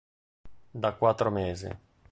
Da quattro mesi